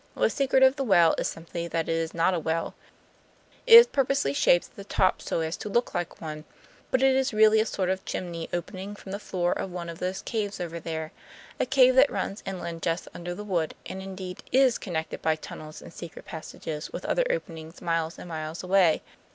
The secret of the well is simply that it is not a well. It is purposely shaped at the top so as to look like one, but it is really a sort of chimney opening from the roof of one of those caves over there; a cave that runs inland just under the wood, and indeed IS connected by tunnels and secret passages with other openings miles and miles away.